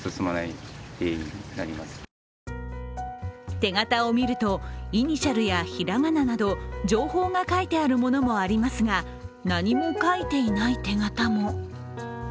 手形を見ると、イニシャルや平仮名など情報が書いてあるものもありますが、何も書いていない手形も。